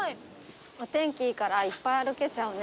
お天気いいからいっぱい歩けちゃうね。